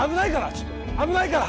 ちょっと危ないから！